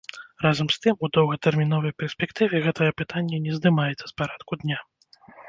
Разам з тым, у доўгатэрміновай перспектыве гэтае пытанне не здымаецца з парадку дня.